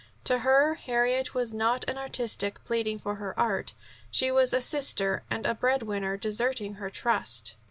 To her, Harriet was not an artist pleading for her art; she was a sister and a bread winner deserting her trust.